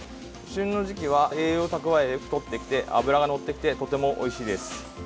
旬の時期は、栄養を蓄え太ってきて、脂がのってきてとてもおいしいです。